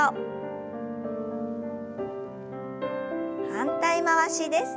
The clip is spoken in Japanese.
反対回しです。